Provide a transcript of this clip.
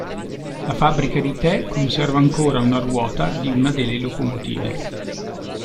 La fabbrica di tè conserva ancora una ruota di una delle locomotive.